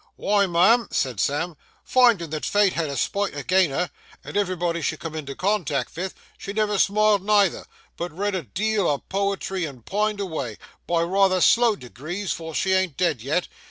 'Why, ma'am,' said Sam, 'finding that Fate had a spite agin her, and everybody she come into contact vith, she never smiled neither, but read a deal o' poetry and pined avay,—by rayther slow degrees, for she ain't dead yet.